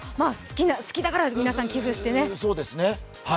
好きだから皆さん寄付してね。